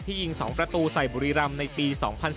ที่ยิง๒ประตูใส่บุรีรัมป์ในปี๒๐๑๒